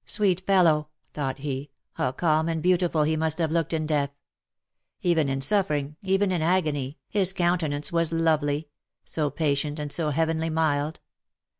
" Sweet fellow !" thought he. " How calm and beautiful he must have looked in death ! Even in suffering, even in agony, his coun tenance was lovely — so patient, and so heavenly mild